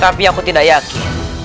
tapi aku tidak yakin